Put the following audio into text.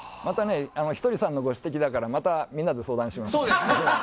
ひとりさんのご指摘だからまたみんなで相談します。